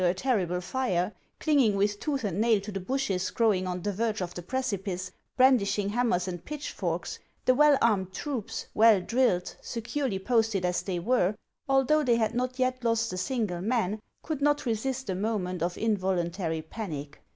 395 a terrible fire, clinging with tooth and nail to the bushes growing on the verge of the precipice, brandishing ham mers and pitchforks, the well armed troops, well drilled, securely posted as they were, although they had not yet lost a single man, could not resist a moment of involuntary panic.